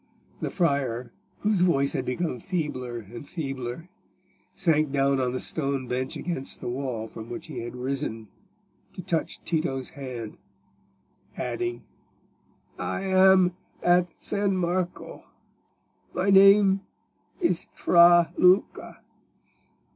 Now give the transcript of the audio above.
The friar, whose voice had become feebler and feebler, sank down on the stone bench against the wall from which he had risen to touch Tito's hand, adding— "I am at San Marco; my name is Fra Luca."